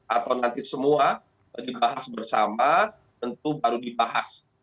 atau nanti semua dibahas bersama tentu baru dibahas